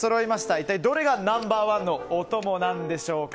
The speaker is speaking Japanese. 一体どれがナンバー１のお供なんでしょうか。